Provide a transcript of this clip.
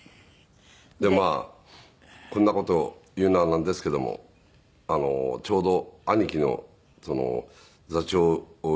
でまあこんな事を言うのはなんですけどもちょうど兄貴の座長を譲られる時でしたけども。